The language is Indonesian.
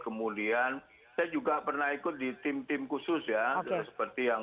kemudian saya juga pernah ikut di tim tim khusus ya